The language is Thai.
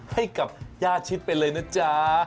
ให้กับย่าชิดไปเลยนะจ๊ะ